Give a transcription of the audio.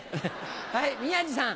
はい宮治さん。